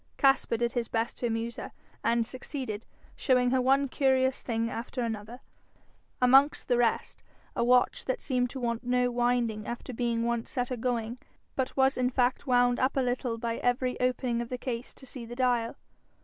Caspar did his best to amuse her, and succeeded, showing her one curious thing after another, amongst the rest a watch that seemed to want no winding after being once set agoing, but was in fact wound up a little by every opening of the case to see the dial.